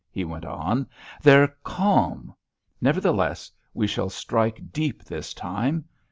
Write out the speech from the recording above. he went on, "their calm! Nevertheless, we shall strike deep this time!